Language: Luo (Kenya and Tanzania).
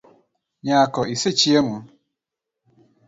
Nyako, isechiemo?